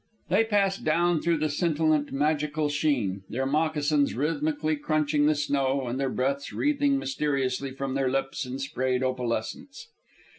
They passed down through the scintillant, magical sheen, their moccasins rhythmically crunching the snow and their breaths wreathing mysteriously from their lips in sprayed opalescence.